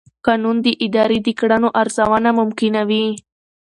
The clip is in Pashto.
قانون د ادارې د کړنو ارزونه ممکنوي.